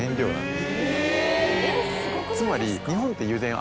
つまり。